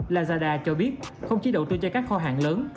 lazada cho biết không chỉ đầu tư cho các kho hàng lớn